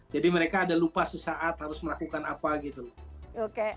jadi mereka ada lupa sesaat harus melakukan apa gitu loh